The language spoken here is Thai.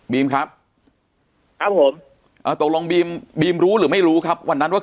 ครับครับผมตกลงบีมบีมรู้หรือไม่รู้ครับวันนั้นว่า